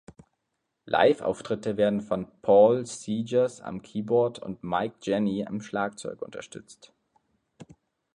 Live-Auftritte werden von Paul Seegers am Keyboard und Mike Jenney am Schlagzeug unterstützt.